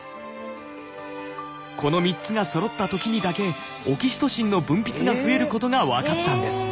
この３つがそろった時にだけオキシトシンの分泌が増えることが分かったんです。